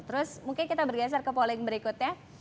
terus mungkin kita bergeser ke polling berikutnya